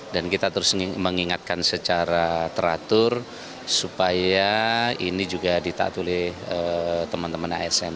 dan kita terus mengingatkan secara teratur supaya ini juga ditatuhi teman teman asn